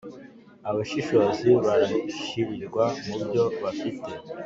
Abashishozi barashirirwa mubyo bafite